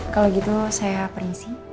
kalau gitu saya percaya